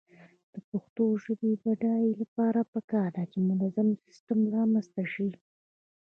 د پښتو ژبې د بډاینې لپاره پکار ده چې منظم سیسټم رامنځته شي.